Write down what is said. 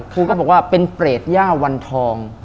ครูก็บอกว่าเป็นเปรตย่าวันทอง